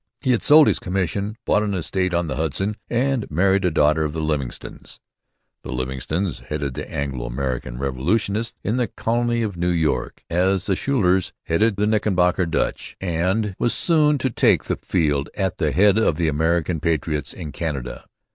He had sold his commission, bought an estate on the Hudson, and married a daughter of the Livingstons. The Livingstons headed the Anglo American revolutionists in the colony of New York as the Schuylers headed the Knickerbocker Dutch. One of them was very active on the rebel side in Montreal and was soon to take the field at the head of the American 'patriots' in Canada.